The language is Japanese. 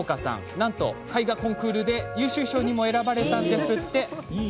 なんと、絵画コンクールで優秀賞に選ばれたんです。